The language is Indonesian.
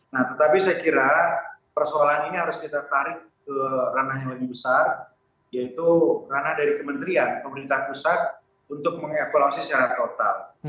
nah tetapi saya kira persoalan ini harus kita tarik ke ranah yang lebih besar yaitu ranah dari kementerian pemerintah pusat untuk mengevaluasi secara total